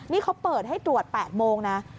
นี่เขาเปิดให้ตรวจ๘โมงนะ